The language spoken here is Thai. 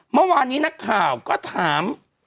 เมื่อวานนี้นักข่าวก็ถาม